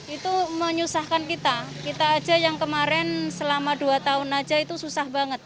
itu menyusahkan kita kita aja yang kemarin selama dua tahun aja itu susah banget